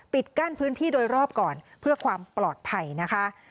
กั้นพื้นที่โดยรอบก่อนเพื่อความปลอดภัยนะคะ